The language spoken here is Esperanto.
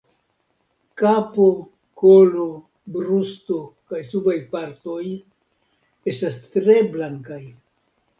Kapo, kolo, brusto kaj subaj partoj estas tre blankaj.